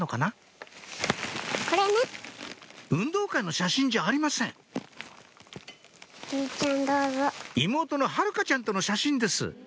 運動会の写真じゃありません妹の晴香ちゃんとの写真です